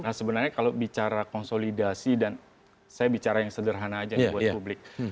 nah sebenarnya kalau bicara konsolidasi dan saya bicara yang sederhana aja ya buat publik